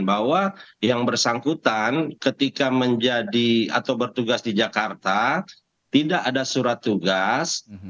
bahwa yang bersangkutan ketika menjadi atau bertugas di jakarta tidak ada surat tugas